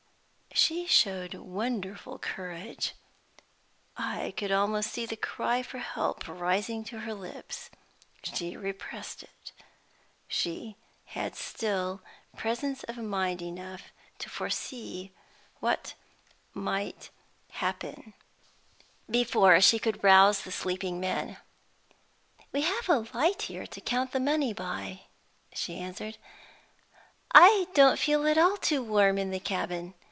She showed wonderful courage. I could almost see the cry for help rising to her lips. She repressed it; she had still presence of mind enough to foresee what might happen before she could rouse the sleeping men. "We have a light here to count the money by," she answered. "I don't feel at all too warm in the cabin.